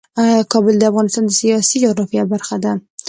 کابل د افغانستان د سیاسي جغرافیه برخه ده.